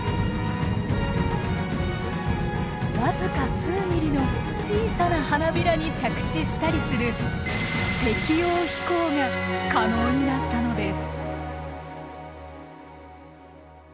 僅か数ｍｍの小さな花びらに着地したりする適応飛行が可能になったのです。